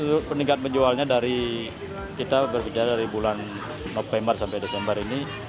untuk peningkat penjualannya kita berpikir dari bulan november sampai desember ini